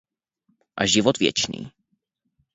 a život věčný.